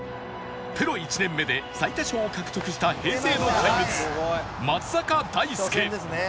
プロ１年目で最多勝を獲得した平成の怪物松坂大輔